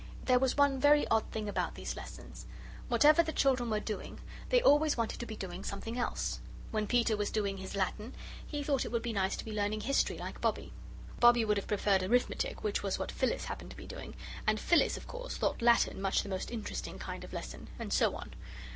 There was one very odd thing about these lessons. Whatever the children were doing, they always wanted to be doing something else. When Peter was doing his Latin, he thought it would be nice to be learning History like Bobbie. Bobbie would have preferred Arithmetic, which was what Phyllis happened to be doing, and Phyllis of course thought Latin much the most interesting kind of lesson. And so on.